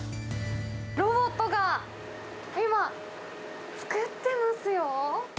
ロボットが今、作ってますよ。